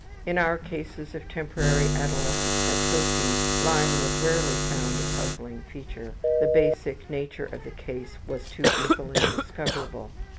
In our cases of temporary adolescent psychoses lying was rarely found a puzzling feature; the basic nature of the case was too easily discoverable.